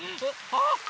あっ！